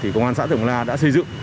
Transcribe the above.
công an xã thượng bằng la đã xây dựng